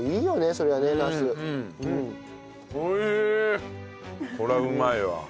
こりゃうまいわ。